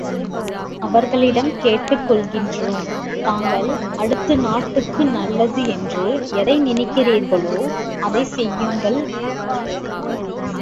அவர்களிடம் கேட்டுக் கொள்கின்றோம் தாங்கள் அடுத்து நாட்டுக்கு நல்லது என்று எதை நினைக்கிறீர்களோ அதைச் செய்யுங்கள் என்று!